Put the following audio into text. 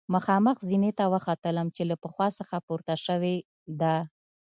مخامخ زینې ته وختلم چې له پخوا څخه پورته شوې ده.